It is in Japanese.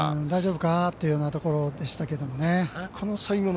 大丈夫か？っていうようなところでしたね。